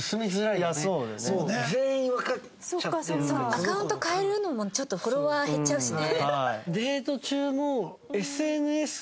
アカウント変えるのもちょっとフォロワー減っちゃうしね。